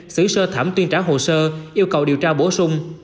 xử sơ thẩm tuyên trả hồ sơ yêu cầu điều tra bổ sung